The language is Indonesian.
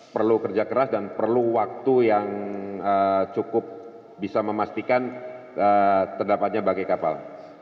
perlu kerja keras dan perlu waktu yang cukup bisa memastikan terdapatnya bagai kapal